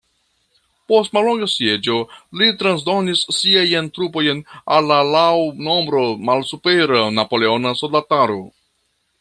Post mallonga sieĝo, li transdonis siajn trupojn al la laŭ nombro malsupera napoleona soldataro.